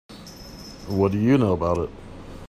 What do you know about it?